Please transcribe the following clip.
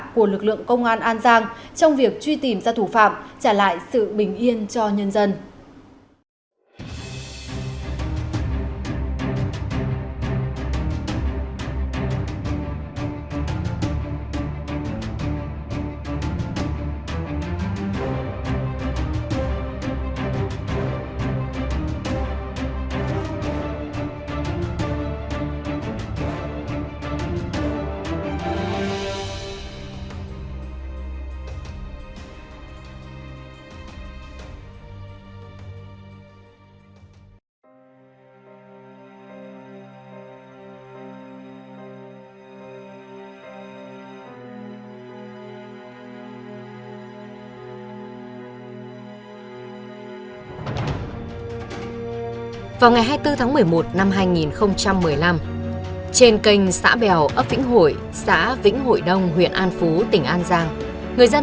của lực lượng công an an giang trong việc truy tìm ra thủ phạm trả lại sự bình yên cho nhân dân